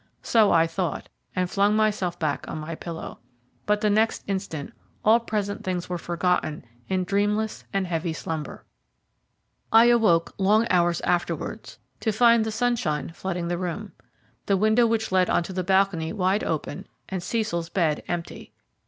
So I thought, and flung myself back on my pillow. But the next instant all present things were forgotten in dreamless and heavy slumber. I awoke long hours afterwards, to find the sunshine flooding the room, the window which led on to the balcony wide open, and Cecil's bed empty.